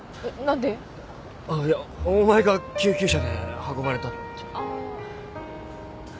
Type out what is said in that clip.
あっいやお前が救急車で運ばれたって。ああ。